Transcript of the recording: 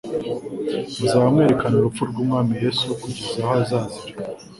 muzaba mwerekana urupfu rw'Umwami Yesu kugeza aho azazira.'-»